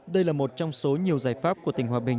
đây là một trong số nhiều giải pháp của tỉnh hòa bình